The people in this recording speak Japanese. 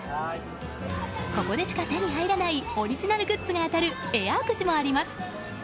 ここでしか手に入らないオリジナルグッズが当たるエアーくじもあります。